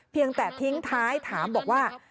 เพียงแต่ทิ้งท้ายถามบอกว่า